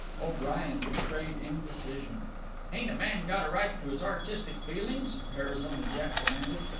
O'Brien betrayed indecision. "Ain't a man got a right to his artistic feelin's?" Arizona Jack demanded.